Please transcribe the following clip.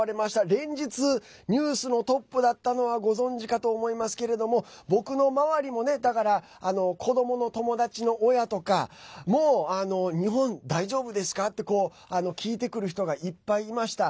連日ニュースのトップだったのはご存じかと思いますけれども僕の周りも子どもの友達の親とかも日本、大丈夫ですか？って聞いてくる人がいっぱいいました。